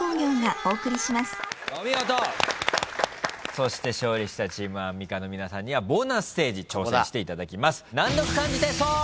そして勝利したチームアンミカの皆さんにはボーナスステージ挑戦していただきます。